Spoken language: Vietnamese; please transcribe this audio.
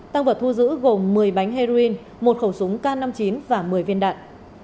tăng vật thu giữ gồm một mươi bánh heroin một khẩu súng k năm mươi chín và một mươi viên đạn